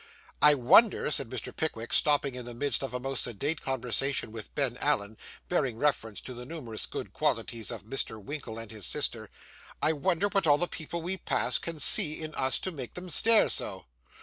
'I wonder,' said Mr. Pickwick, stopping in the midst of a most sedate conversation with Ben Allen, bearing reference to the numerous good qualities of Mr. Winkle and his sister 'I wonder what all the people we pass, can see in us to make them stare so.